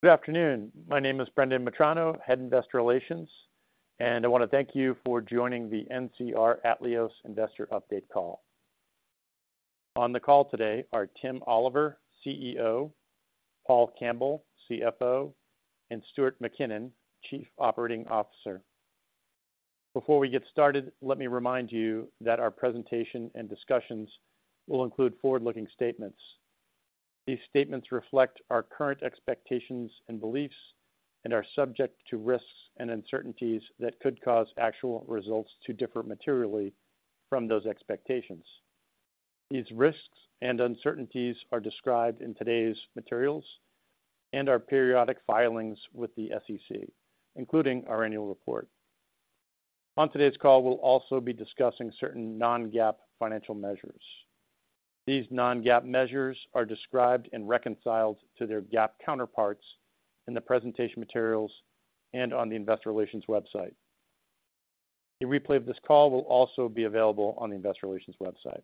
Good afternoon. My name is Brendan Metrano, Head Investor Relations, and I want to thank you for joining the NCR Atleos Investor Update call. On the call today are Tim Oliver, CEO, Paul Campbell, CFO, and Stuart Mackinnon, Chief Operating Officer. Before we get started, let me remind you that our presentation and discussions will include forward-looking statements. These statements reflect our current expectations and beliefs and are subject to risks and uncertainties that could cause actual results to differ materially from those expectations. These risks and uncertainties are described in today's materials and our periodic filings with the SEC, including our annual report. On today's call, we'll also be discussing certain non-GAAP financial measures. These non-GAAP measures are described and reconciled to their GAAP counterparts in the presentation materials and on the investor relations website. A replay of this call will also be available on the investor relations website.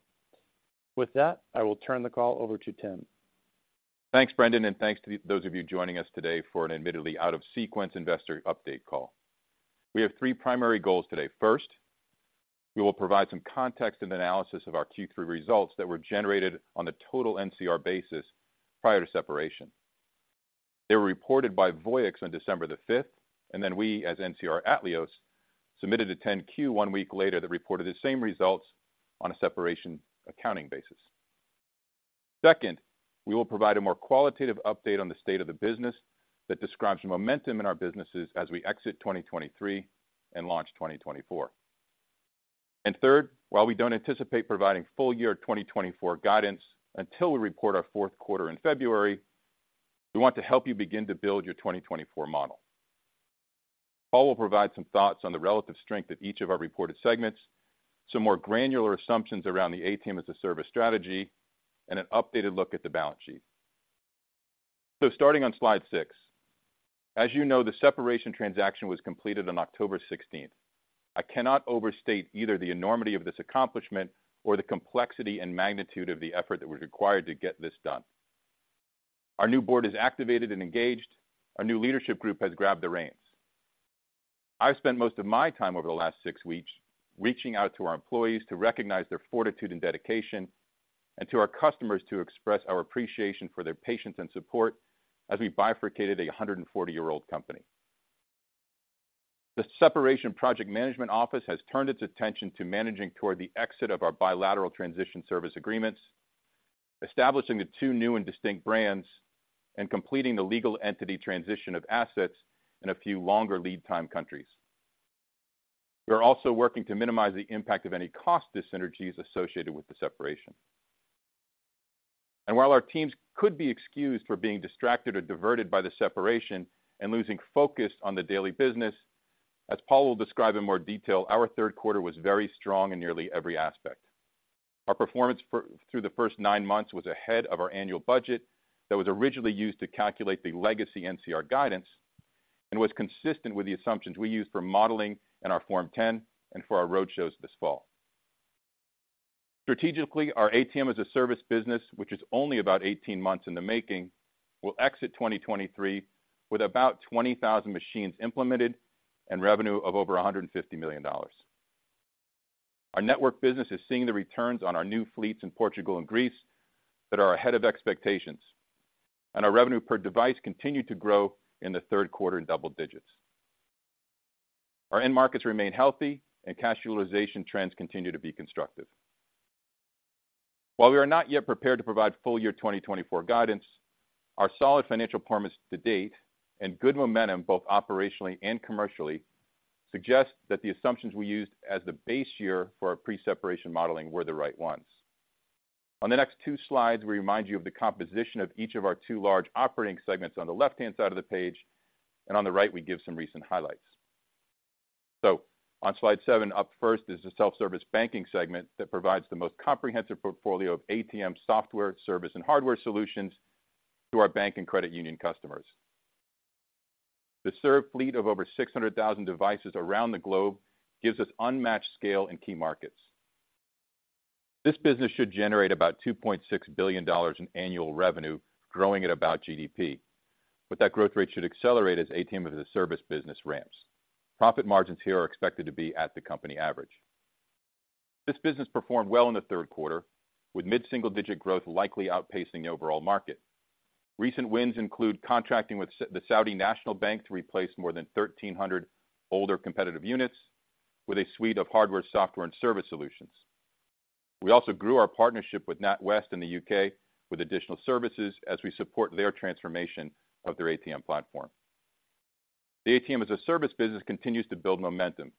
With that, I will turn the call over to Tim. Thanks, Brendan, and thanks to those of you joining us today for an admittedly out-of-sequence investor update call. We have three primary goals today. First, we will provide some context and analysis of our Q3 results that were generated on the total NCR basis prior to separation. They were reported by Voyix on December the fifth, and then we, as NCR Atleos, submitted a 10-Q one week later that reported the same results on a separation accounting basis. Second, we will provide a more qualitative update on the state of the business that describes the momentum in our businesses as we exit 2023 and launch 2024. And third, while we don't anticipate providing full year 2024 guidance until we report our Q4 in February, we want to help you begin to build your 2024 model. Paul will provide some thoughts on the relative strength of each of our reported segments, some more granular assumptions around the ATM-as-a-Service strategy, and an updated look at the balance sheet. Starting on slide six, as you know, the separation transaction was completed on October 16th. I cannot overstate either the enormity of this accomplishment or the complexity and magnitude of the effort that was required to get this done. Our new board is activated and engaged. Our new leadership group has grabbed the reins. I've spent most of my time over the last six weeks reaching out to our employees to recognize their fortitude and dedication, and to our customers to express our appreciation for their patience and support as we bifurcated a 140-year-old company. The Separation Project Management office has turned its attention to managing toward the exit of our bilateral transition service agreements, establishing the two new and distinct brands, and completing the legal entity transition of assets in a few longer lead time countries. We are also working to minimize the impact of any cost dyssynergies associated with the separation. While our teams could be excused for being distracted or diverted by the separation and losing focus on the daily business, as Paul will describe in more detail, our Q3 was very strong in nearly every aspect. Our performance through the first nine months was ahead of our annual budget that was originally used to calculate the legacy NCR guidance and was consistent with the assumptions we used for modeling in our Form 10 and for our roadshows this fall. Strategically, our ATM-as-a-Service business, which is only about 18 months in the making, will exit 2023 with about 20,000 machines implemented and revenue of over $150 million. Our network business is seeing the returns on our new fleets in Portugal and Greece that are ahead of expectations, and our revenue per device continued to grow in the Q3 in double digits. Our end markets remain healthy and casualization trends continue to be constructive. While we are not yet prepared to provide full year 2024 guidance, our solid financial performance to date and good momentum, both operationally and commercially, suggest that the assumptions we used as the base year for our pre-separation modeling were the right ones. On the next two slides, we remind you of the composition of each of our two large operating segments on the left-hand side of the page, and on the right, we give some recent highlights. So on slide seven, up first is the Self-Service Banking segment that provides the most comprehensive portfolio of ATM software, service, and hardware solutions to our bank and credit union customers. The served fleet of over 600,000 devices around the globe gives us unmatched scale in key markets. This business should generate about $2.6 billion in annual revenue, growing at about GDP, but that growth rate should accelerate as ATM-as-a-service business ramps. Profit margins here are expected to be at the company average. This business performed well in the Q3, with mid-single-digit growth likely outpacing the overall market. Recent wins include contracting with the Saudi National Bank to replace more than 1,300 older competitive units with a suite of hardware, software, and service solutions. We also grew our partnership with NatWest in the U.K. with additional services as we support their transformation of their ATM platform. The ATM-as-a-Service business continues to build momentum,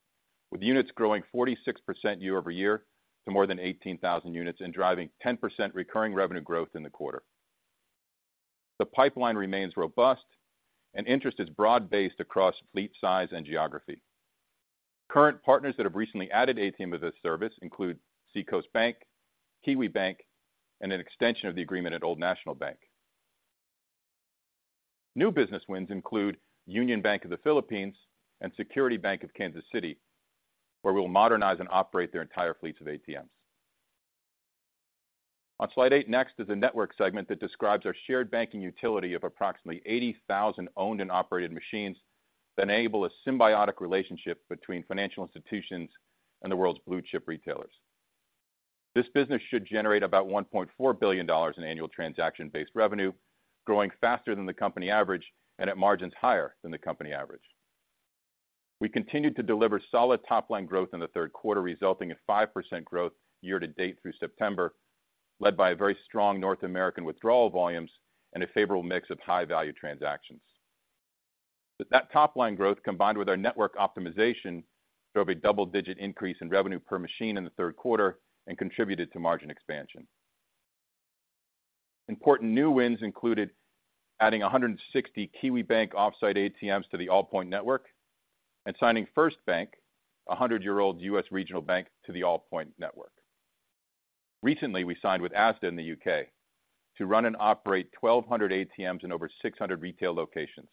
with units growing 46% year-over-year to more than 18,000 units and driving 10% recurring revenue growth in the quarter. The pipeline remains robust, and interest is broad-based across fleet size and geography. Current partners that have recently added ATM-as-a-Service include Seacoast Bank, Kiwibank, and an extension of the agreement at Old National Bank. New business wins include Union Bank of the Philippines and Security Bank of Kansas City, where we'll modernize and operate their entire fleets of ATMs. On slide eight, next is the Network segment that describes our shared banking utility of approximately 80,000 owned and operated machines that enable a symbiotic relationship between financial institutions and the world's blue-chip retailers. This business should generate about $1.4 billion in annual transaction-based revenue, growing faster than the company average and at margins higher than the company average. We continued to deliver solid top-line growth in the Q3, resulting in 5% growth year-to-date through September, led by a very strong North American withdrawal volumes and a favorable mix of high-value transactions. But that top-line growth, combined with our network optimization, drove a double-digit increase in revenue per machine in the Q3 and contributed to margin expansion. Important new wins included adding 160 Kiwibank off-site ATMs to the Allpoint Network and signing FirstBank, a 100-year-old U.S. regional bank, to the Allpoint Network. Recently, we signed with Asda in the U.K. to run and operate 1,200 ATMs in over 600 retail locations.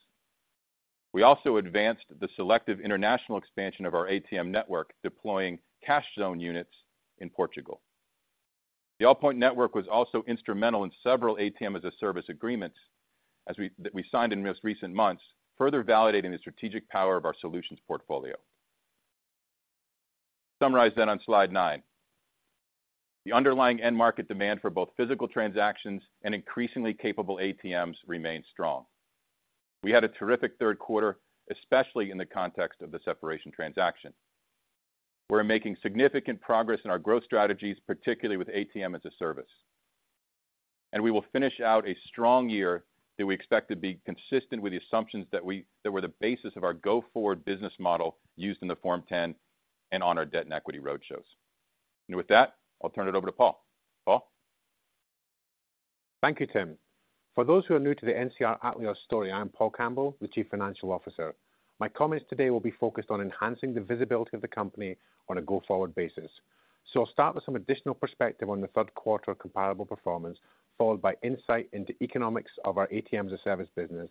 We also advanced the selective international expansion of our ATM network, deploying Cashzone units in Portugal. The Allpoint Network was also instrumental in several ATM-as-a-Service agreements that we signed in most recent months, further validating the strategic power of our solutions portfolio. To summarize then on slide 9, the underlying end market demand for both physical transactions and increasingly capable ATMs remains strong. We had a terrific Q3, especially in the context of the separation transaction. We're making significant progress in our growth strategies, particularly with ATM-as-a-Service. We will finish out a strong year that we expect to be consistent with the assumptions that were the basis of our go-forward business model used in the Form 10 and on our debt and equity roadshows. And with that, I'll turn it over to Paul. Paul? Thank you, Tim. For those who are new to the NCR Atleos story, I'm Paul Campbell, the Chief Financial Officer. My comments today will be focused on enhancing the visibility of the company on a go-forward basis. I'll start with some additional perspective on the Q3 comparable performance, followed by insight into economics of our ATM-as-a-Service business,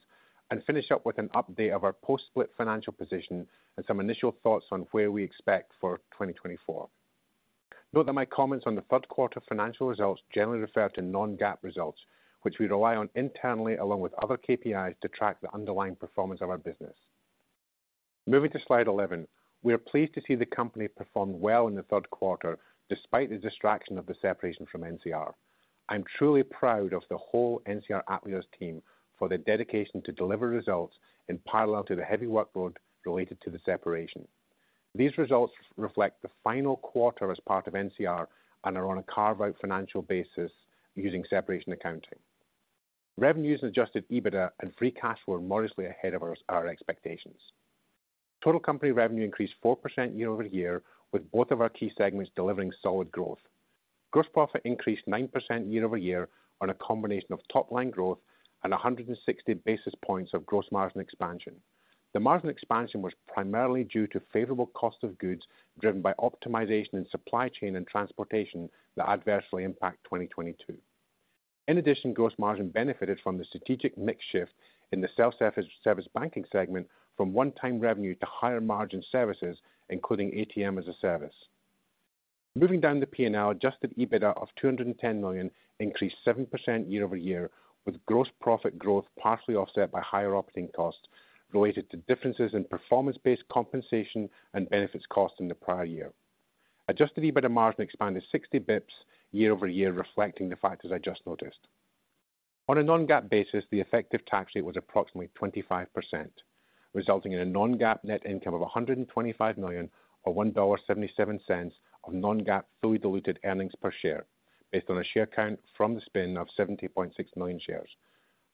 and finish up with an update of our post-split financial position and some initial thoughts on where we expect for 2024. Note that my comments on the Q3 financial results generally refer to non-GAAP results, which we rely on internally, along with other KPIs, to track the underlying performance of our business. Moving to slide 11. We are pleased to see the company perform well in the Q3, despite the distraction of the separation from NCR. I'm truly proud of the whole NCR Atleos team for their dedication to deliver results in parallel to the heavy workload related to the separation. These results reflect the final quarter as part of NCR and are on a carve-out financial basis using separation accounting. Revenues, Adjusted EBITDA and Free Cash Flow are modestly ahead of ours, our expectations. Total company revenue increased 4% year-over-year, with both of our key segments delivering solid growth. Gross profit increased 9% year-over-year on a combination of top-line growth and 160 basis points of gross margin expansion. The margin expansion was primarily due to favorable cost of goods, driven by optimization in supply chain and transportation that adversely impacted 2022. In addition, gross margin benefited from the strategic mix shift in the self-service, service banking segment from one-time revenue to higher-margin services, including ATM-as-a-Service. Moving down the P&L, Adjusted EBITDA of $210 million increased 7% year-over-year, with gross profit growth partially offset by higher operating costs related to differences in performance-based compensation and benefits costs in the prior year. Adjusted EBITDA margin expanded 60 basis points year-over-year, reflecting the factors I just noticed. On a Non-GAAP basis, the effective tax rate was approximately 25%, resulting in a Non-GAAP net income of $125 million or $1.77 of Non-GAAP fully diluted earnings per share, based on a share count from the spin of 70.6 million shares.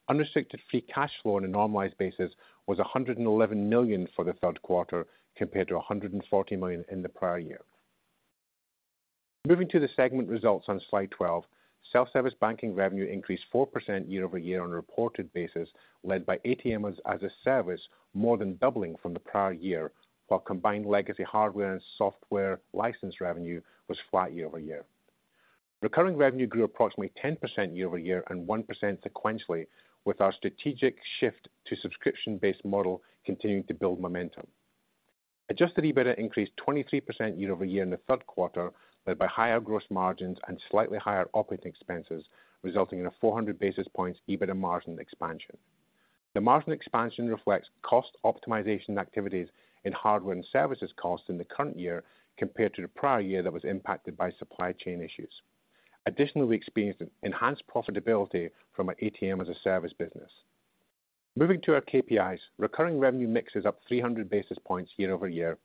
Unrestricted free cash flow on a normalized basis was $111 million for the Q3, compared to $140 million in the prior year. Moving to the segment results on slide 12, self-service banking revenue increased 4% year-over-year on a reported basis, led by ATM-as-a-Service, more than doubling from the prior year, while combined legacy hardware and software license revenue was flat year-over-year. Recurring revenue grew approximately 10% year-over-year and 1% sequentially, with our strategic shift to subscription-based model continuing to build momentum. Adjusted EBITDA increased 23% year-over-year in the Q3, led by higher gross margins and slightly higher operating expenses, resulting in a 400 basis points EBITDA margin expansion. The margin expansion reflects cost optimization activities in hardware and services costs in the current year compared to the prior year that was impacted by supply chain issues. Additionally, we experienced an enhanced profitability from our ATM-as-a-Service business. Moving to our KPIs, recurring revenue mix is up 300 basis points year-over-year.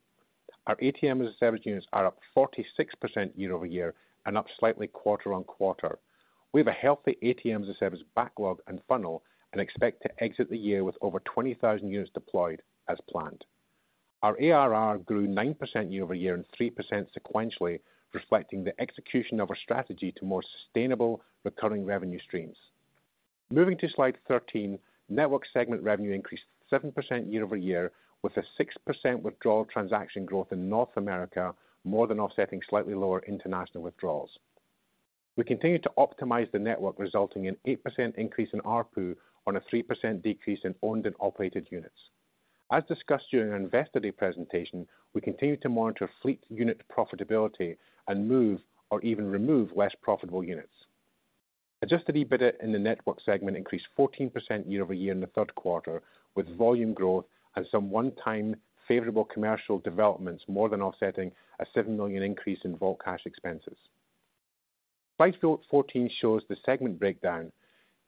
Our ATM-as-a-Service units are up 46% year-over-year and up slightly quarter-on-quarter. We have a healthy ATM-as-a-Service backlog and funnel and expect to exit the year with over 20,000 units deployed as planned. Our ARR grew 9% year-over-year and 3% sequentially, reflecting the execution of our strategy to more sustainable recurring revenue streams. Moving to slide 13. Network segment revenue increased 7% year-over-year, with a 6% withdrawal transaction growth in North America, more than offsetting slightly lower international withdrawals. We continued to optimize the network, resulting in 8% increase in ARPU on a 3% decrease in owned and operated units.... As discussed during our Investor Day presentation, we continue to monitor fleet unit profitability and move or even remove less profitable units. Adjusted EBITDA in the Network segment increased 14% year-over-year in the Q3, with volume growth and some one-time favorable commercial developments, more than offsetting a $7 million increase in vault cash expenses. Slide 14 shows the segment breakdown.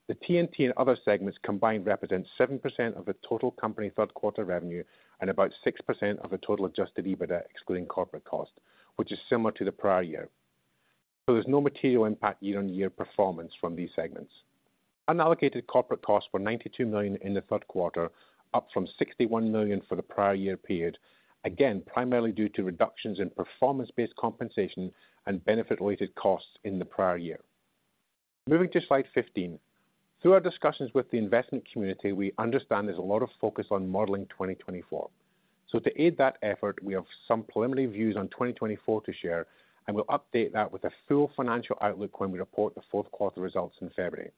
The T&T and other segments combined represent 7% of the total company Q3 revenue, and about 6% of the total adjusted EBITDA, excluding corporate cost, which is similar to the prior year. So there's no material impact year-over-year performance from these segments. Unallocated corporate costs were $92 million in the Q3, up from $61 million for the prior year period, again, primarily due to reductions in performance-based compensation and benefit-related costs in the prior year. Moving to slide 15. Through our discussions with the investment community, we understand there's a lot of focus on modeling 2024. So to aid that effort, we have some preliminary views on 2024 to share, and we'll update that with a full financial outlook when we report the Q4 results in February.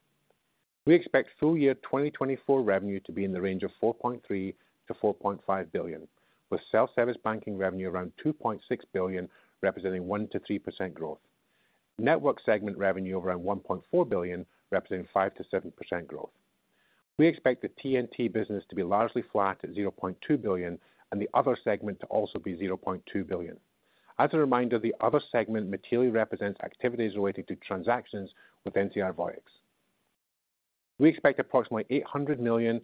We expect full year 2024 revenue to be in the range of $4.3 billion-$4.5 billion, with self-service banking revenue around $2.6 billion, representing 1%-3% growth. Network segment revenue around $1.4 billion, representing 5%-7% growth. We expect the T&T business to be largely flat at $0.2 billion, and the other segment to also be $0.2 billion. As a reminder, the other segment materially represents activities related to transactions with NCR Voyix. We expect approximately $800 million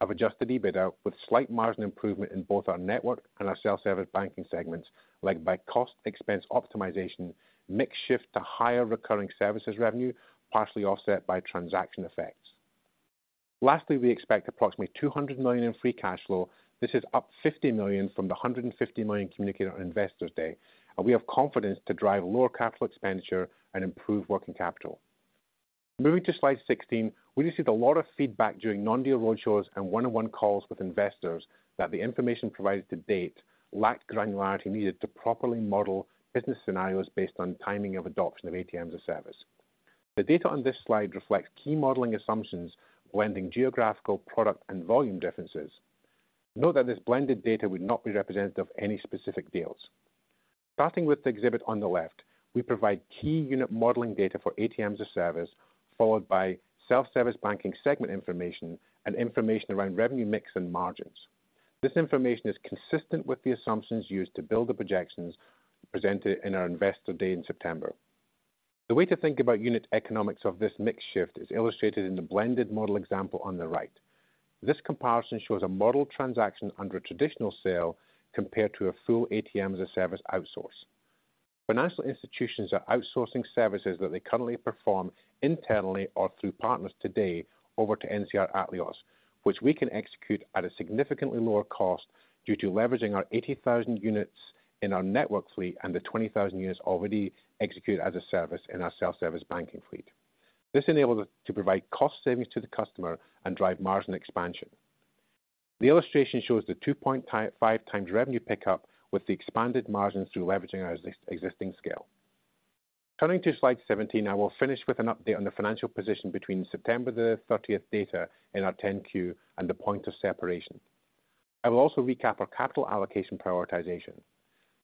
of Adjusted EBITDA, with slight margin improvement in both our network and our Self-Service Banking segments, led by cost expense optimization, mix shift to higher recurring services revenue, partially offset by transaction effects. Lastly, we expect approximately $200 million in Free Cash Flow. This is up $50 million from the $150 million communicated on Investors Day, and we have confidence to drive lower capital expenditure and improve working capital. Moving to slide 16, we received a lot of feedback during non-deal roadshows and one-on-one calls with investors, that the information provided to date lacked granularity needed to properly model business scenarios based on timing of adoption of ATM-as-a-Service. The data on this slide reflects key modeling assumptions, blending geographical, product, and volume differences. Note that this blended data would not be representative of any specific deals. Starting with the exhibit on the left, we provide key unit modeling data for ATM-as-a-Service, followed by Self-Service Banking segment information and information around revenue mix and margins. This information is consistent with the assumptions used to build the projections presented in our Investor Day in September. The way to think about unit economics of this mix shift is illustrated in the blended model example on the right. This comparison shows a model transaction under a traditional sale compared to a full ATM-as-a-Service outsource. Financial institutions are outsourcing services that they currently perform internally or through partners today over to NCR Atleos, which we can execute at a significantly lower cost due to leveraging our 80,000 units in our network fleet and the 20,000 units already executed as a service in our self-service banking fleet. This enables us to provide cost savings to the customer and drive margin expansion. The illustration shows the 2.5x revenue pickup with the expanded margins through leveraging our existing scale. Turning to slide 17, I will finish with an update on the financial position between September 30 data in our 10-Q and the point of separation. I will also recap our capital allocation prioritization.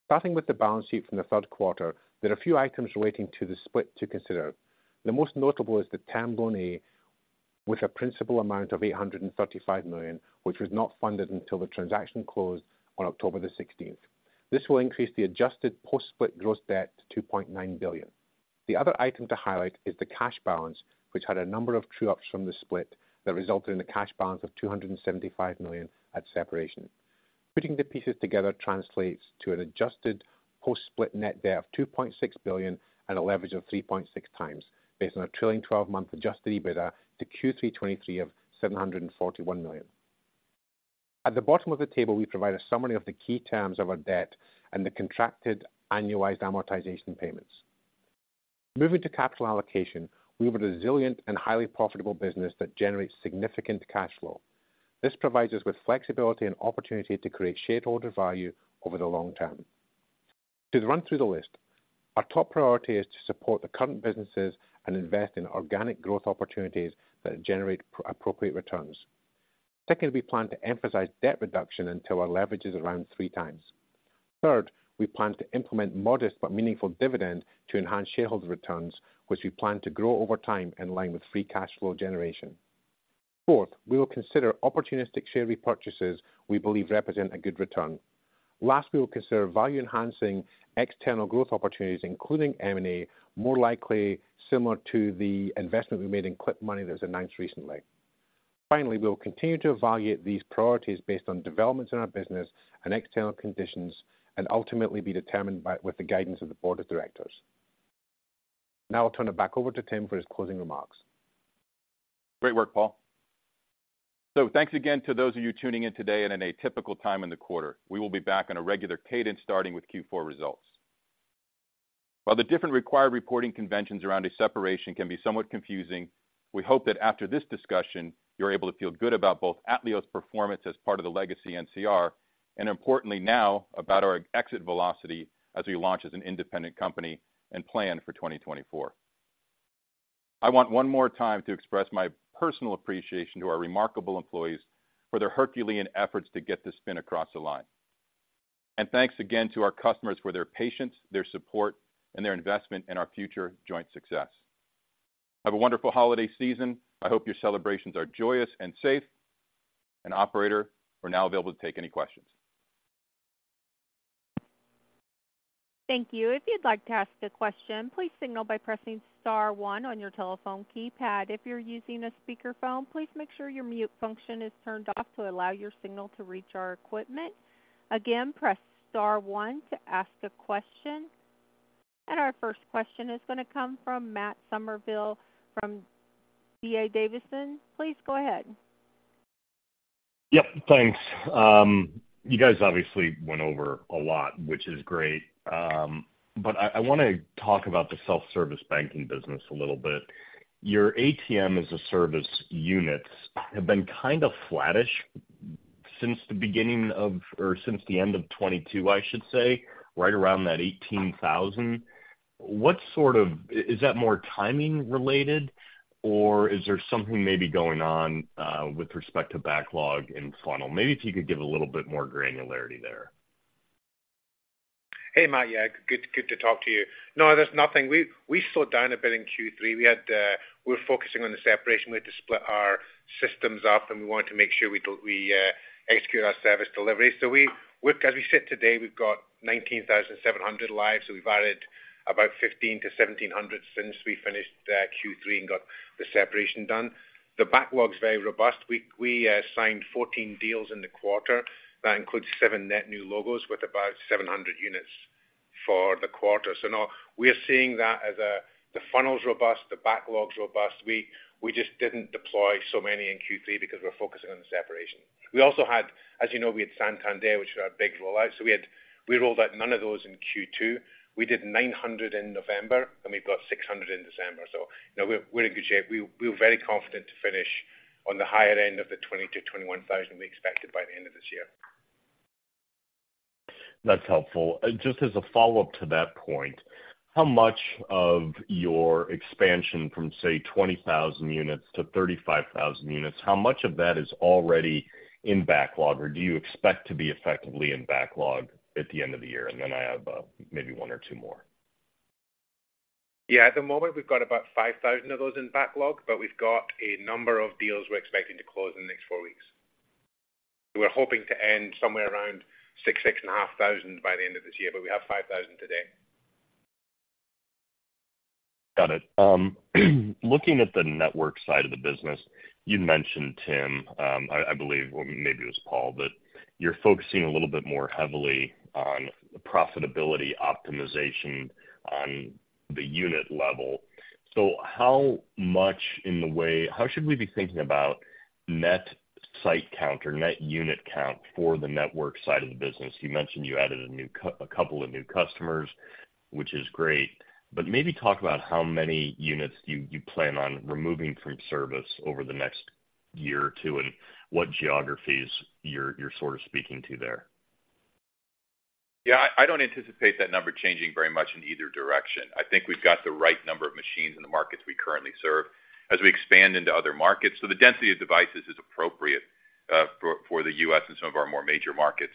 Starting with the balance sheet from the Q3, there are a few items relating to the split to consider. The most notable is the Term Loan A, with a principal amount of $835 million, which was not funded until the transaction closed on October 16. This will increase the adjusted post-split gross debt to $2.9 billion. The other item to highlight is the cash balance, which had a number of true-ups from the split that resulted in a cash balance of $275 million at separation. Putting the pieces together translates to an adjusted post-split net debt of $2.6 billion and a leverage of 3.6x based on a trailing 12-month Adjusted EBITDA to Q3 2023 of $741 million. At the bottom of the table, we provide a summary of the key terms of our debt and the contracted annualized amortization payments. Moving to capital allocation, we have a resilient and highly profitable business that generates significant cash flow. This provides us with flexibility and opportunity to create shareholder value over the long term. To run through the list, our top priority is to support the current businesses and invest in organic growth opportunities that generate appropriate returns. Secondly, we plan to emphasize debt reduction until our leverage is around 3x. Third, we plan to implement modest but meaningful dividend to enhance shareholder returns, which we plan to grow over time in line with Free Cash Flow generation. Fourth, we will consider opportunistic share repurchases we believe represent a good return. Last, we will consider value-enhancing external growth opportunities, including M&A, more likely similar to the investment we made in Clip Money that was announced recently. Finally, we will continue to evaluate these priorities based on developments in our business and external conditions, and ultimately be determined with the guidance of the board of directors. Now I'll turn it back over to Tim for his closing remarks. Great work, Paul. So thanks again to those of you tuning in today at an atypical time in the quarter. We will be back on a regular cadence, starting with Q4 results. While the different required reporting conventions around a separation can be somewhat confusing, we hope that after this discussion, you're able to feel good about both Atleos' performance as part of the legacy NCR, and importantly now, about our exit velocity as we launch as an independent company and plan for 2024.... I want one more time to express my personal appreciation to our remarkable employees for their herculean efforts to get this spin across the line. And thanks again to our customers for their patience, their support, and their investment in our future joint success. Have a wonderful holiday season. I hope your celebrations are joyous and safe. Operator, we're now available to take any questions. Thank you. If you'd like to ask a question, please signal by pressing star one on your telephone keypad. If you're using a speakerphone, please make sure your mute function is turned off to allow your signal to reach our equipment. Again, press star one to ask a question. Our first question is going to come from Matt Summerville, from D.A. Davidson. Please go ahead. Yep, thanks. You guys obviously went over a lot, which is great. But I want to talk about the self-service banking business a little bit. Your ATM as a Service units have been kind of flattish since the beginning of or since the end of 2022, I should say, right around that 18,000. What sort of? Is that more timing related, or is there something maybe going on with respect to backlog and funnel? Maybe if you could give a little bit more granularity there. Hey, Matt. Yeah. Good, good to talk to you. No, there's nothing. We, we slowed down a bit in Q3. We had, we were focusing on the separation. We had to split our systems up, and we wanted to make sure we execute our service delivery. So with as we sit today, we've got 19,700 live, so we've added about 1,500-1,700 since we finished Q3 and got the separation done. The backlog is very robust. We, we signed 14 deals in the quarter. That includes seven net new logos with about 700 units for the quarter. So no, we are seeing that as a, the funnel's robust, the backlog's robust. We, we just didn't deploy so many in Q3 because we're focusing on the separation. We also had, as you know, we had Santander, which is our big rollout, so we rolled out none of those in Q2. We did 900 in November, and we've got 600 in December. So now we're in good shape. We were very confident to finish on the higher end of the 20,000-21,000 we expected by the end of this year. That's helpful. Just as a follow-up to that point, how much of your expansion from, say, 20,000 units to 35,000 units, how much of that is already in backlog, or do you expect to be effectively in backlog at the end of the year? And then I have, maybe one or two more. Yeah, at the moment, we've got about 5,000 of those in backlog, but we've got a number of deals we're expecting to close in the next 4 weeks. We're hoping to end somewhere around 6,000-6,500 by the end of this year, but we have 5,000 today. Got it. Looking at the network side of the business, you mentioned, Tim, I believe, well, maybe it was Paul, but you're focusing a little bit more heavily on profitability optimization on the unit level. So how should we be thinking about net site count or net unit count for the network side of the business? You mentioned you added a couple of new customers, which is great, but maybe talk about how many units you plan on removing from service over the next year or two, and what geographies you're sort of speaking to there. Yeah, I don't anticipate that number changing very much in either direction. I think we've got the right number of machines in the markets we currently serve. As we expand into other markets, so the density of devices is appropriate for the U.S. and some of our more major markets.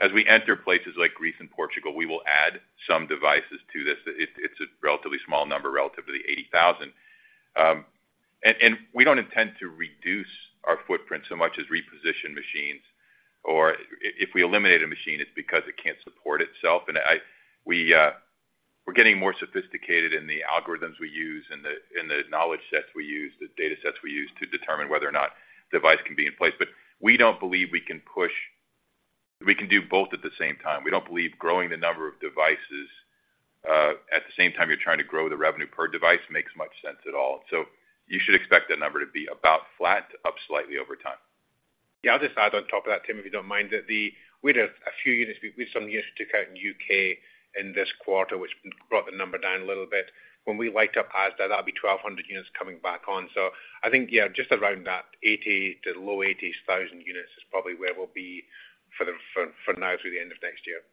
As we enter places like Greece and Portugal, we will add some devices to this. It's a relatively small number, relative to the 80,000. And we don't intend to reduce our footprint so much as reposition machines, or if we eliminate a machine, it's because it can't support itself. We're getting more sophisticated in the algorithms we use and the knowledge sets we use, the data sets we use to determine whether or not device can be in place. But we don't believe we can do both at the same time. We don't believe growing the number of devices at the same time you're trying to grow the revenue per device makes much sense at all. So you should expect that number to be about flat to up slightly over time. Yeah, I'll just add on top of that, Tim, if you don't mind, that we had a few units, we took some units out in U.K. in this quarter, which brought the number down a little bit. When we light up Asda, that'll be 1,200 units coming back on. So I think, yeah, just around that 80,000-low 80,000 units is probably where we'll be for now through the end of next year.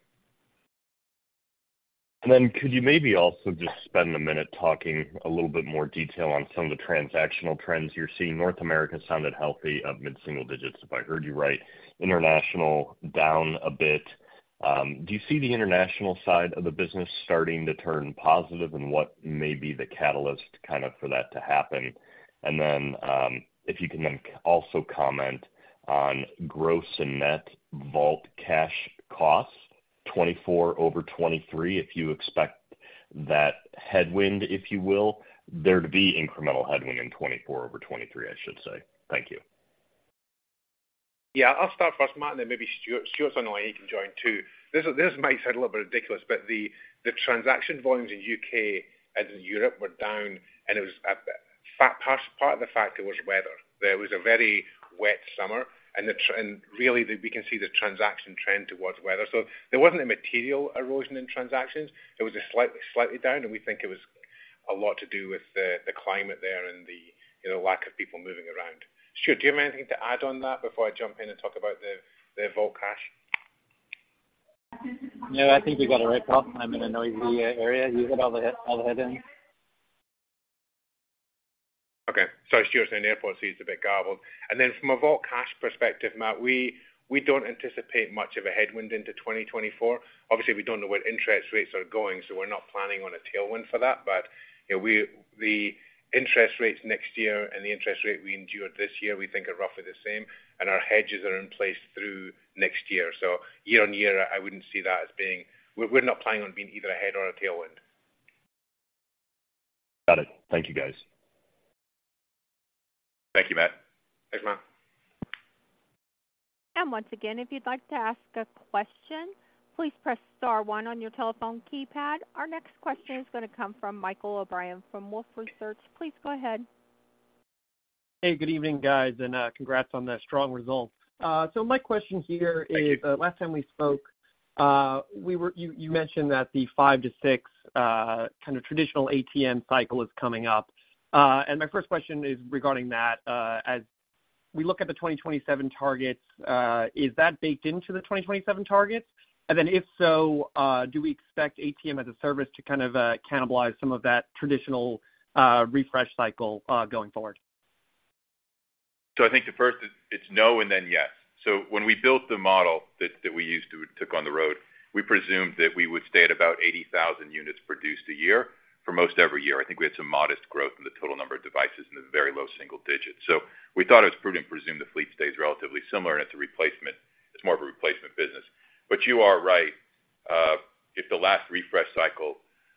And then could you maybe also just spend a minute talking a little bit more detail on some of the transactional trends you're seeing? North America sounded healthy of mid-single digits, if I heard you right. International, down a bit. Do you see the international side of the business starting to turn positive, and what may be the catalyst kinda for that to happen? And then, if you can then also comment on gross and net vault cash costs, 2024 over 2023, if you expect that headwind, if you will, there to be incremental headwind in 2024 over 2023, I should say. Thank you. Yeah, I'll start first, Matt, and then maybe Stuart. Stuart's on the line, he can join, too. This might sound a little bit ridiculous, but the transaction volumes in U.K. and in Europe were down, and it was in fact, part of the factor was weather. There was a very wet summer, and really, we can see the transaction trend towards weather. So there wasn't a material erosion in transactions. It was slightly down, and we think it was a lot to do with the climate there and, you know, lack of people moving around. Stuart, do you have anything to add on that before I jump in and talk about the vault cash?... No, I think you got it right, Paul. I'm in a noisy area. You get all the head, all the head in? Okay. Sorry, Stuart, the airport seat's a bit garbled. And then from a vault cash perspective, Matt, we, we don't anticipate much of a headwind into 2024. Obviously, we don't know where interest rates are going, so we're not planning on a tailwind for that. But, you know, we- the interest rates next year and the interest rate we endured this year, we think are roughly the same, and our hedges are in place through next year. So year-on-year, I wouldn't see that as being-- we're, we're not planning on being either a head or a tailwind. Got it. Thank you, guys. Thank you, Matt. Thanks, Matt. Once again, if you'd like to ask a question, please press star one on your telephone keypad. Our next question is gonna come from Michael O'Brien, from Wolfe Research. Please go ahead. Hey, good evening, guys, and, congrats on the strong results. So my question here is- Thank you. Last time we spoke, you mentioned that the five-six kind of traditional ATM cycle is coming up. And my first question is regarding that, as we look at the 2027 targets, is that baked into the 2027 targets? And then if so, do we expect ATM as a Service to kind of cannibalize some of that traditional refresh cycle going forward? So I think the first is, it's no, and then yes. So when we built the model that we used to take on the road, we presumed that we would stay at about 80,000 units produced a year for most every year. I think we had some modest growth in the total number of devices in the very low single digits. So we thought it was prudent to presume the fleet stays relatively similar, and it's a replacement. It's more of a replacement business. But you are right. If the last refresh cycle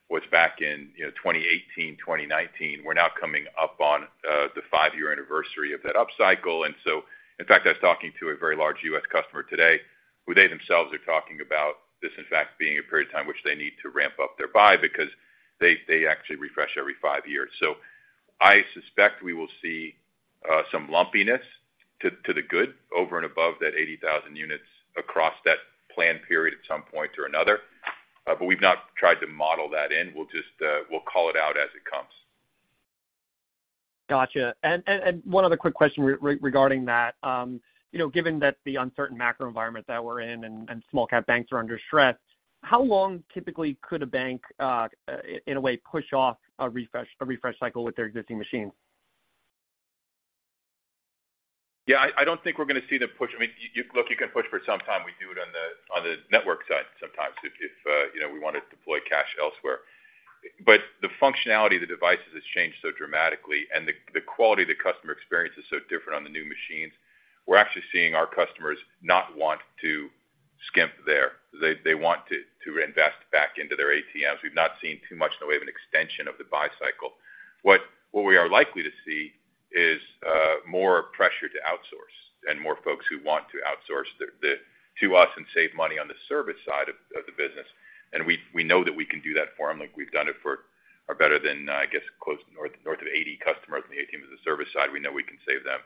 was back in, you know, 2018, 2019, we're now coming up on the five-year anniversary of that upcycle. So in fact, I was talking to a very large U.S. customer today, who they themselves are talking about this, in fact, being a period of time in which they need to ramp up their buy because they actually refresh every five years. So I suspect we will see some lumpiness to the good over and above that 80,000 units across that plan period at some point or another. But we've not tried to model that in. We'll just call it out as it comes. Gotcha. And one other quick question regarding that. You know, given that the uncertain macro environment that we're in and small cap banks are under stress, how long typically could a bank push off a refresh, a refresh cycle with their existing machine? Yeah, I don't think we're gonna see the push. I mean, look, you can push for some time. We do it on the network side sometimes if you know, we want to deploy cash elsewhere. But the functionality of the devices has changed so dramatically, and the quality of the customer experience is so different on the new machines. We're actually seeing our customers not want to skimp there. They want to invest back into their ATMs. We've not seen too much in the way of an extension of the buy cycle. What we are likely to see is more pressure to outsource and more folks who want to outsource to us and save money on the service side of the business. We know that we can do that for them, like we've done it for better than, I guess, close to north of 80 customers on the ATM as a Service side. We know we can save them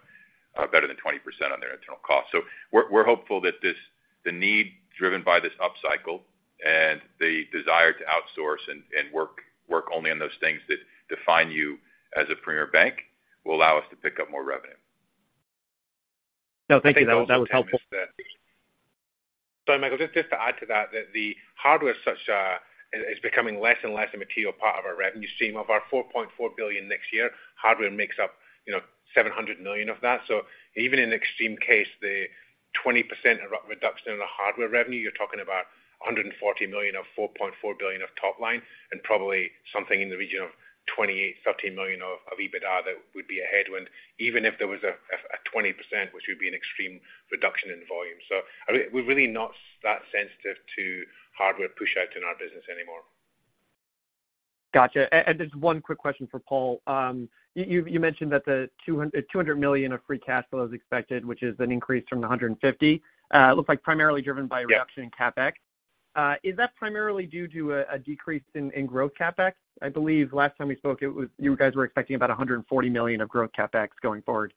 better than 20% on their internal costs. So we're hopeful that this, the need driven by this upcycle and the desire to outsource and work only on those things that define you as a premier bank, will allow us to pick up more revenue. No, thank you. That was helpful. Sorry, Michael, just to add to that, the hardware as such is becoming less and less a material part of our revenue stream. Of our $4.4 billion next year, hardware makes up, you know, $700 million of that. So even in an extreme case, the 20% reduction in the hardware revenue, you're talking about $140 million of $4.4 billion of top line, and probably something in the region of $28-$30 million of EBITDA, that would be a headwind, even if there was a 20%, which would be an extreme reduction in volume. So I mean, we're really not that sensitive to hardware pushout in our business anymore. Gotcha. And just one quick question for Paul. You mentioned that the $200 million of free cash flow is expected, which is an increase from the $150. It looks like primarily driven by- Yeah reduction in CapEx. Is that primarily due to a decrease in growth CapEx? I believe last time we spoke, it was you guys were expecting about $140 million of growth CapEx going forward.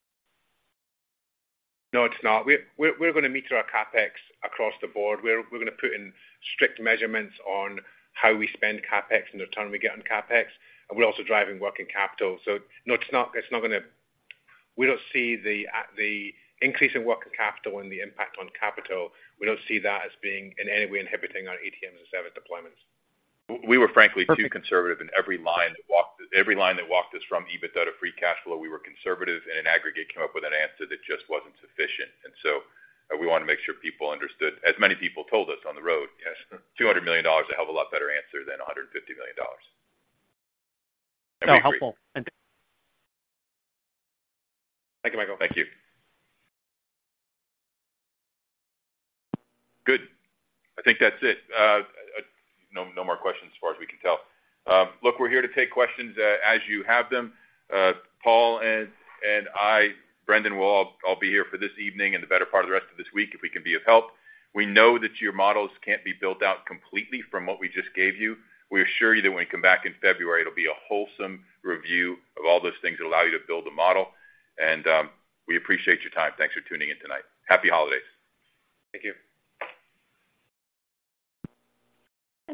No, it's not. We're gonna meter our CapEx across the board. We're gonna put in strict measurements on how we spend CapEx and the return we get on CapEx, and we're also driving working capital. So no, it's not gonna... We don't see the increase in working capital and the impact on capital; we don't see that as being in any way inhibiting our ATMs and service deployments. We were frankly too conservative in every line that walked us from EBITDA to free cash flow, we were conservative, and in aggregate came up with an answer that just wasn't sufficient. And so, we want to make sure people understood, as many people told us on the road, yes, $200 million is a hell of a lot better answer than $150 million. No, helpful. Thank you, Michael. Thank you. Good. I think that's it. No more questions as far as we can tell. Look, we're here to take questions as you have them. Paul and I, Brendan, will be here for this evening and the better part of the rest of this week, if we can be of help. We know that your models can't be built out completely from what we just gave you. We assure you that when we come back in February, it'll be a wholesome review of all those things that allow you to build a model. We appreciate your time. Thanks for tuning in tonight. Happy holidays. Thank you.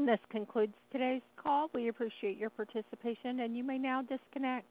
This concludes today's call. We appreciate your participation, and you may now disconnect.